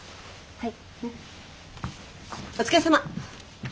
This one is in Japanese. はい。